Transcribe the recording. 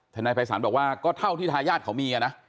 นายภัยศาลบอกว่าก็เท่าที่ทายาทเขามีนะ